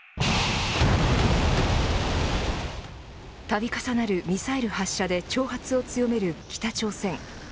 度重なるミサイル発射で挑発を強める北朝鮮。